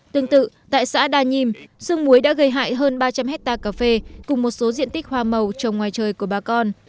tương tự tại xã đà nhiêm sương muối đã gây hại hơn ba trăm linh hectare cà phê cùng một số diện tích hoa màu trong ngoài trời của bà con